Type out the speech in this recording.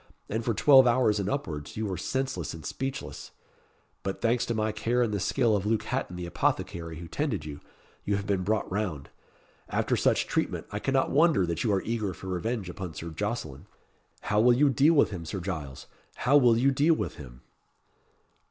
And for twelve hours and upwards you were senseless and speechless; But thanks to my care and the skill of Luke Hatton the apothecary who tended you, you have been brought round. After such treatment, I cannot wonder that you are eager for revenge upon Sir Jocelyn. How will you deal with him Sir Giles? How will you deal with him?"